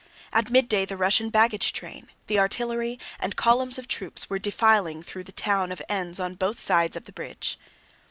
At midday the Russian baggage train, the artillery, and columns of troops were defiling through the town of Enns on both sides of the bridge.